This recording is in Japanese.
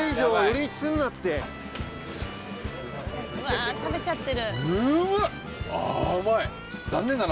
うわ食べちゃってる。